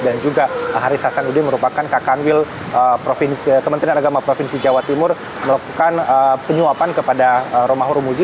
dan juga haris hasan udin merupakan kakan wil kementerian agama provinsi jawa timur melakukan penyuapan kepada romahur muzi